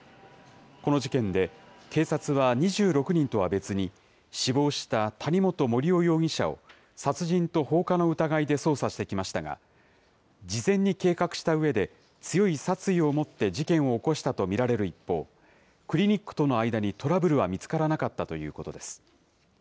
この事件で、警察は２６人とは別に、死亡した谷本盛雄容疑者を、殺人と放火の疑いで捜査してきましたが、事前に計画したうえで、強い殺意を持って事件を起こしたと見られる一方、クリニックとの間にトラブルは見つからなかったということです。